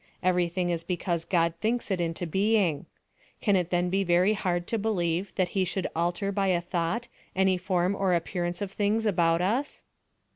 Everything is because God thinks it into being. Can it then be very hard to believe that he should alter by a thought any form or appearance of things about us?